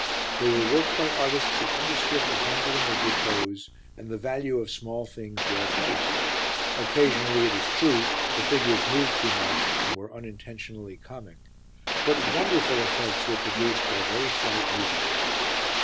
They were worked by artists who understood the handling of repose and the value of small things well placed. Occasionally, it is true, the figures moved too much and were unintentionally comic, but wonderful effects were produced by very slight movements.